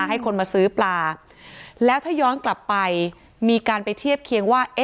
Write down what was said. ให้คนมาซื้อปลาแล้วถ้าย้อนกลับไปมีการไปเทียบเคียงว่า